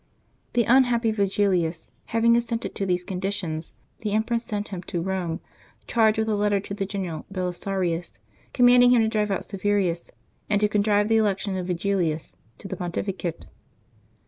The unhappy Vigilius having assented to these con ditions, the empress sent him to Eome, charged with a letter to the general Belisarius, commanding him to drive out Silverius and to contrive the election of Vigilius to the pontificate.